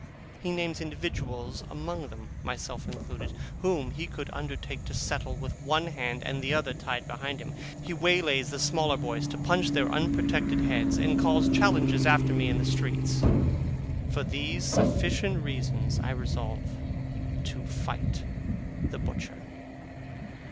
He names individuals among them (myself included), whom he could undertake to settle with one hand, and the other tied behind him. He waylays the smaller boys to punch their unprotected heads, and calls challenges after me in the open streets. For these sufficient reasons I resolve to fight the butcher.